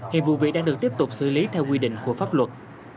hiện vụ việc đang được tiếp tục xử lý theo quy định của pháp luật